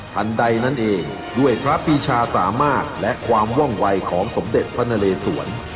ทันใดนั่นเองด้วยพระปีชาสามารถและความว่องวัยของสมเด็จพระนเลสวน